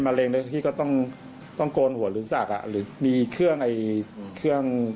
เร็งเลยที่ก็ต้องต้องโกนหัวหรือสักอ่ะหรือมีเครื่องไอ้เครื่อง